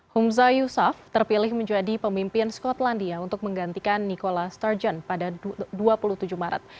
humza yusaf terpilih menjadi pemimpin skotlandia untuk menggantikan nikola sturjon pada dua puluh tujuh maret